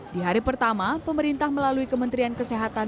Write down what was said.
di hari pertama pemerintah melalui kementerian kesehatan